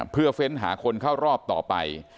เพื่อเฟ้นหาคนเข้ารอบต่อไป